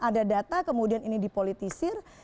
ada data kemudian ini dipolitisir